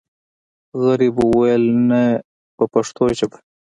غریب وویل نه په پښتو ژبه.